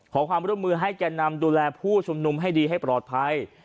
ขอความร่วมมือให้แก่นำดูแลผู้ชุมนุมให้ดีให้ปลอดภัย